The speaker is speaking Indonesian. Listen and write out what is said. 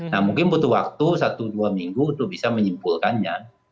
nah mungkin butuh waktu satu dua minggu untuk bisa menyimpulkannya